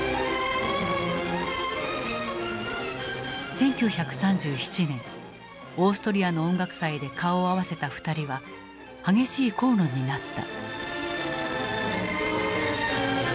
１９３７年オーストリアの音楽祭で顔を合わせた２人は激しい口論になった。